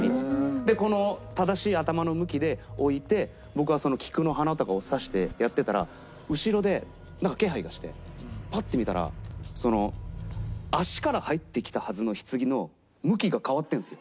で正しい頭の向きで置いて僕は菊の花とかを挿してやってたら後ろでなんか気配がしてパッて見たら足から入ってきたはずのひつぎの向きが変わってるんですよ。